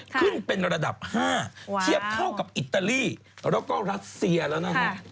ขึ้นเป็นระดับ๕เทียบเท่ากับอิตาลีแล้วก็รัสเซียแล้วนะฮะ